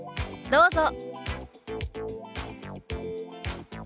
どうぞ。